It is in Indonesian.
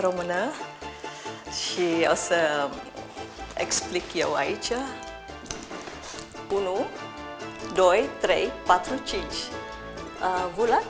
kamu tahu apa itu berarti kan